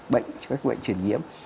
bệnh các bệnh truyền nhiễm